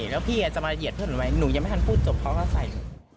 แล้วก็แยกย้ายกันไปเธอก็เลยมาแจ้งความ